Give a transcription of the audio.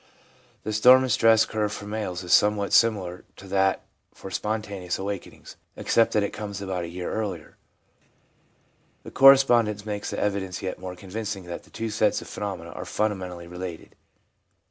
The storm and stress curve for males is somewhat similar to that for spontaneous awakenings, except that it comes ADOLESCENCE— STORM AND STRESS 223 about a year earlier. This correspondence makes the evidence yet more convincing that the two sets of phenomena are fundamentally related.